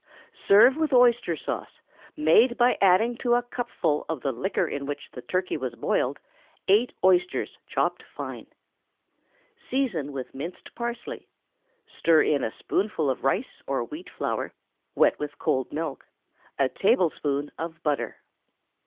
Serve with oyster sauce, made by adding to a cupful of the liquor in which the turkey was boiled, eight oysters chopped fine. Season with minced parsley, stir in a spoonful of rice or wheat flour, wet with cold milk, a tablespoonful of butter.